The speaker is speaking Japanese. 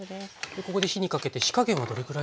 ここで火にかけて火加減はどれくらいですか？